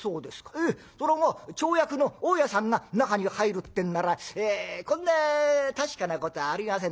ええそらまぁ町役の大家さんが中に入るってんならこんな確かなことはありません。